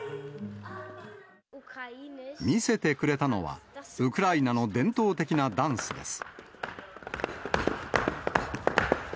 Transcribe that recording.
見せてくれたのは、ウクライナの伝統的なダンスです。